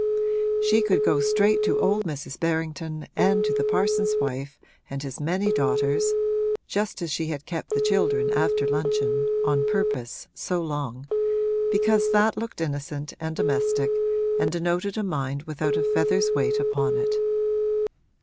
She could go straight to old Mrs. Berrington and to the parson's wife and his many daughters (just as she had kept the children after luncheon, on purpose, so long) because that looked innocent and domestic and denoted a mind without a feather's weight upon it.